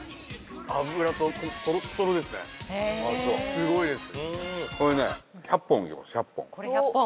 すごいです。